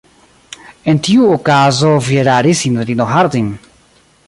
En tiu okazo vi eraris, sinjorino Harding.